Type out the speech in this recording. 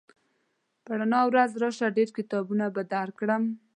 په رڼا ورځ راشه ډېر کتابونه به درکړم